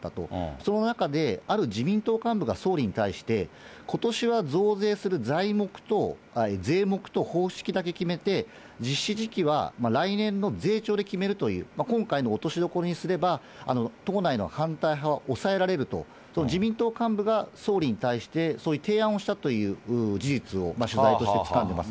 その中で、ある自民党幹部が総理に対して、ことしは増税する税目と方式だけ決めて、実施時期は来年の税調で決めるという、今回の落としどころにすれば、党内の反対派は抑えられると、その自民党幹部が総理に対してそういう提案をしたという事実を取材としてつかんでいます。